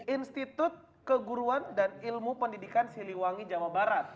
institut keguruan dan ilmu pendidikan siliwangi jawa barat